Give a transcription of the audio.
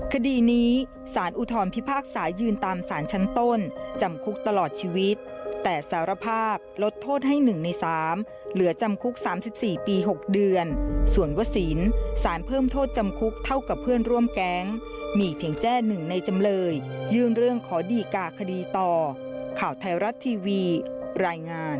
คดีนี้สารอุทธรพิพากษายืนตามสารชั้นต้นจำคุกตลอดชีวิตแต่สารภาพลดโทษให้๑ใน๓เหลือจำคุก๓๔ปี๖เดือนส่วนวสินสารเพิ่มโทษจำคุกเท่ากับเพื่อนร่วมแก๊งมีเพียงแจ้๑ในจำเลยยื่นเรื่องขอดีกาคดีต่อข่าวไทยรัฐทีวีรายงาน